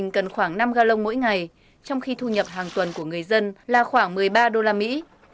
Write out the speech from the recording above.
cần khoảng năm galong mỗi ngày trong khi thu nhập hàng tuần của người dân là khoảng một mươi ba đô la mỹ